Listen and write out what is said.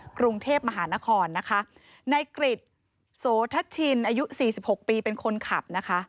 กรุงเทพมหานครนะคะในกริจโสทัชชินอายุสี่สิบหกปีเป็นคนขับนะคะ